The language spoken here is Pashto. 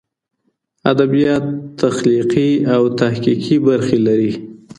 ادبیات تخلیقي او تحقیقي برخې لري.